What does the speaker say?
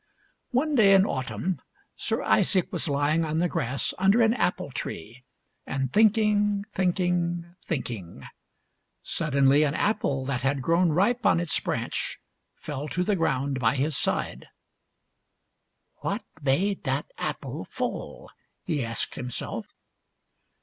One day in autumn Sir Isaac was lying on the grass under an apple tree and thinking, thinking, thinking. Suddenly an apple that had grown ripe on its branch fell to the ground by' his side. 37 38 THIRTY MORE FAMOUS STORIES " What made that apple fall ?" he asked himself.